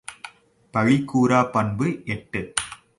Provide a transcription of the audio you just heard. பழி கூறாப் பண்பு எட்டு.